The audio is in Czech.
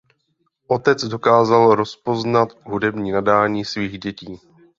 Otec dokázal rozpoznat hudební nadání svých dětí.